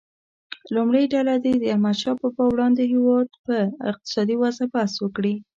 لومړۍ ډله دې د احمدشاه بابا وړاندې هیواد په اقتصادي وضعه بحث وکړي.